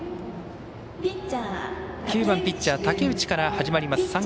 ９番ピッチャー武内から始まります。